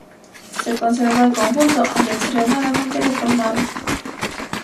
Se conserva el conjunto, aunque extremadamente reformado.